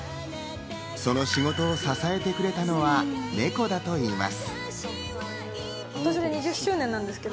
その仕事を支えてくれたのは、ネコだといいます。